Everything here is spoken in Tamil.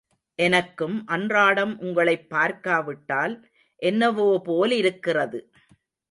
எனக்கும் அன்றாடம் உங்களைப் பார்க்காவிட்டால் என்னவோ போலிருக்கிறது.